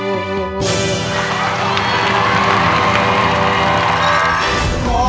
ไม่ใช้ครับไม่ใช้ครับ